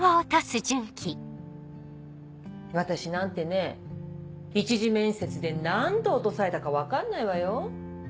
私なんてねぇ一次面接で何度落とされたか分かんないわよ。